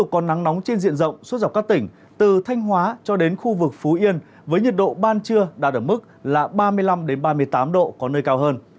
các tỉnh từ thanh hóa cho đến khu vực phú yên với nhiệt độ ban trưa đạt được mức là ba mươi năm ba mươi tám độ có nơi cao hơn